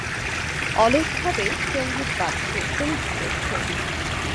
অলসভাবে সঙ্গীত বাজছে তুমি কি করছো?